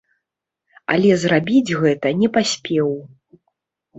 Але зрабіць гэта не паспеў.